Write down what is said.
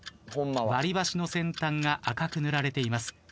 割り箸の先端が赤く塗られています。